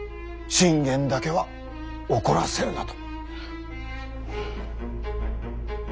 信玄だけは怒らせるなと。